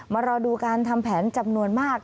รอดูการทำแผนจำนวนมาก